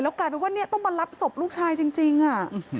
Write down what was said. แล้วกลายเป็นว่าต้องมารับศพลูกชายจริงน่ะ